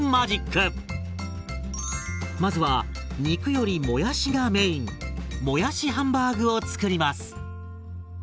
まずは肉よりもやしがメインもやしハンバーグを作ります。